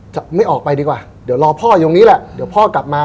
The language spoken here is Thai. จะไม่ออกไปดีกว่าเดี๋ยวรอพ่ออยู่ตรงนี้แหละเดี๋ยวพ่อกลับมา